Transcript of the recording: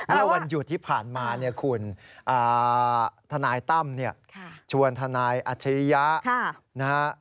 เมื่อวันหยุดที่ผ่านมาทนายตั้มชวนทนายอัจฉริยะ